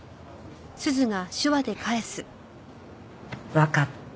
わかった。